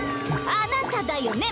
あなただよね